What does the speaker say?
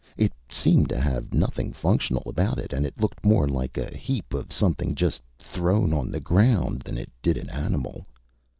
It seemed to have nothing functional about it and it looked more like a heap of something, just thrown on the ground, than it did an animal.